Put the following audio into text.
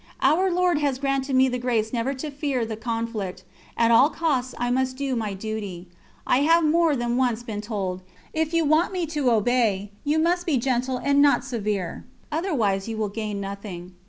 Our Lord has granted me the grace never to fear the conflict; at all costs I must do my duty. I have more than once been told: "If you want me to obey, you must be gentle and not severe, otherwise you will gain nothing."